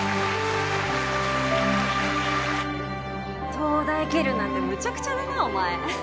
東大蹴るなんてむちゃくちゃだなお前